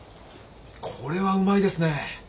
これはうまいですね。